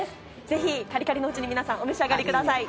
ぜひカリカリのうちに皆さんお召し上がりください。